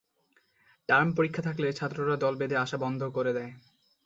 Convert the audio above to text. Term পরীক্ষা থাকলে ছাত্ররা দল বেঁধে আসা বন্ধ করে দেয়।